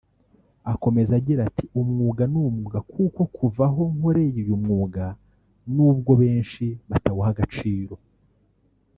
Akomeza agira ati “umwuga ni umwuga kuko kuva aho nkoreye uyu mwuga n’ubwo benshi batawuha agaciro